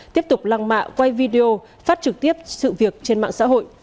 tiếp tục lăng mạ quay video phát trực tiếp sự việc trên mạng xã hội